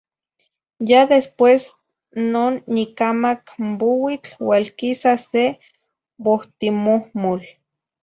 Ya después non nicamac n buitl ualquisa se bohtimohmol.